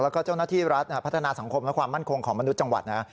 แล้วก็เจ้าหน้าที่รัฐพัฒนาสังคมและความมั่นคงของมนุษย์จังหวัดนะ